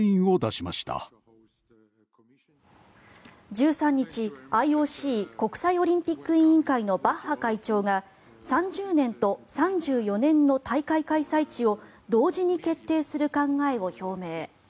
１３日、ＩＯＣ・国際オリンピック委員会のバッハ会長が３０年と３４年の大会開催地を同時に決定する考えを表明。